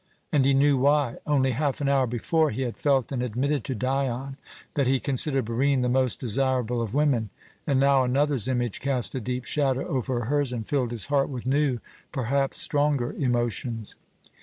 And he knew why. Only half an hour before he had felt and admitted to Dion that he considered Barine the most desirable of women, and now another's image cast a deep shadow over hers and filled his heart with new, perhaps stronger emotions.